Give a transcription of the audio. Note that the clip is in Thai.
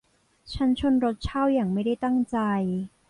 ฉันชนรถเช่าอย่างไม่ได้ตั้งใจ